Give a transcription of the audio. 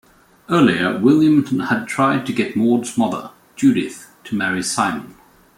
Earlier, William had tried to get Maud's mother, Judith, to marry Simon.